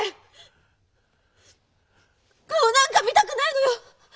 顔なんか見たくないのよ！